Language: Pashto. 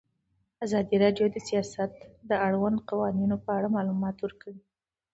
ازادي راډیو د سیاست د اړونده قوانینو په اړه معلومات ورکړي.